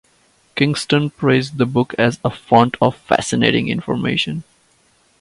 Kingston praised the book as "a font of fascinating information".